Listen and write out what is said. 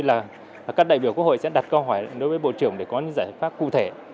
là các đại biểu quốc hội sẽ đặt câu hỏi đối với bộ trưởng để có những giải pháp cụ thể